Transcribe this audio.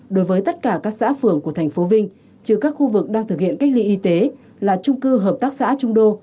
đối với tất cả các xã phường của tp vinh chứ các khu vực đang thực hiện cách ly y tế là trung cư hợp tác xã trung đô